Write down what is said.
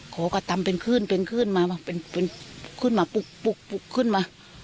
เขาก็ทำเป็นขึ้นเป็นขึ้นมาขึ้นมาปุ๊บปุ๊บปุ๊บขึ้นมา